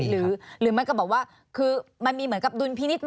หรือมันก็บอกว่าคือมันมีเหมือนกับดุลพินิษฐ์